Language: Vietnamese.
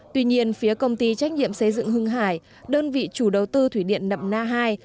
tuy nhiên phía công ty trách nhiệm xây dựng hưng hải đơn vị chủ đầu tư thủy điện nậm na hai